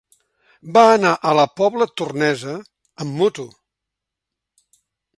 Va anar a la Pobla Tornesa amb moto.